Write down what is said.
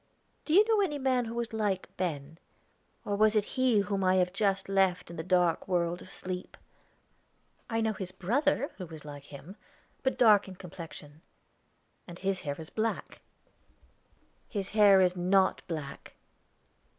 "Do you know any man who is like Ben? Or was it he whom I have just left in the dark world of sleep?" "I know his brother, who is like him, but dark in complexion and his hair is black." "His hair is not black."